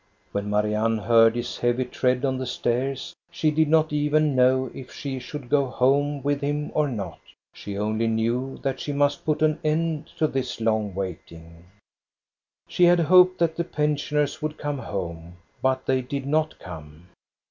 When Marianne heard his heavy tread on the stairs, she did not even then know if she should go home with him or not. She only knew that she must put an end to this long waiting. She had hoped that the pensioners would come home; but they did not come.